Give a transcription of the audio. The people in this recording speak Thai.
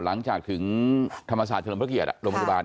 หลังจากถึงธรรมศาสตร์เฉลิมพระเกียรติโรงพยาบาล